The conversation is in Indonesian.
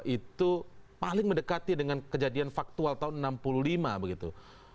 itu paling mendekati dengan kejadian faktual tahun enam puluh lima begitu